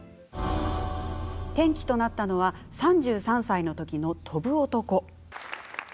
転機となったのは３３歳の時のドラマ「翔ぶ男」。